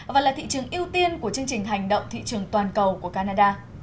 và là thị trường ưu tiên của chương trình hành động thị trường toàn cầu của canada